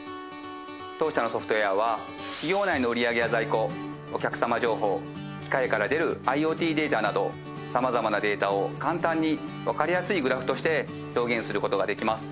当社のソフトウェアは企業内の売り上げや在庫お客様情報機械から出るＩｏＴデータなど様々なデータを簡単にわかりやすいグラフとして表現する事ができます。